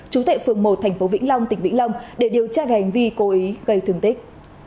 chú tệ phường một thành phố vĩnh long tỉnh vĩnh long để điều tra gành vi cố ý gây thương tích